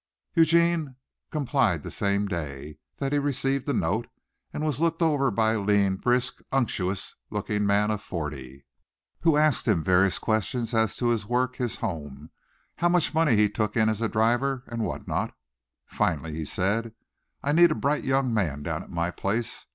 Eugene complied the same day that he received the note, and was looked over by a lean, brisk, unctuous looking man of forty, who asked him various questions as to his work, his home, how much money he took in as a driver, and what not. Finally he said, "I need a bright young man down at my place.